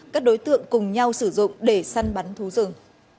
các đối tượng cùng nhau sử dụng để săn bắn thú rừng